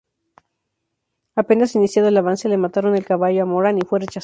Apenas iniciado el avance le mataron el caballo a Morán, y fue rechazado.